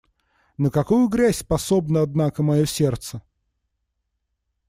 На какую грязь способно, однако, мое сердце!